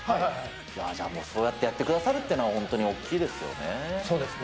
じゃあそうやってやってくださるっていうのは、本当に大きいですそうですね。